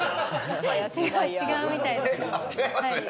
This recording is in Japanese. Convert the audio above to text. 違うみたいです。